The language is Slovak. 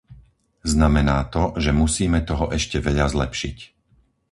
Znamená to, že musíme toho ešte veľa zlepšiť.